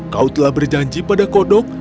kau telah berjanji pada kodok